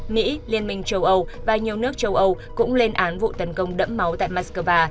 mỹ liên minh châu âu và nhiều nước châu âu cũng lên án vụ tấn công đẫm máu tại moscow